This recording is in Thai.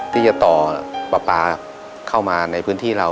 ที่จะต่อปลาเข้ามาในพื้นที่เรา